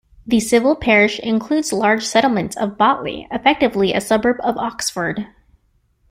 The civil parish includes the large settlement of Botley, effectively a suburb of Oxford.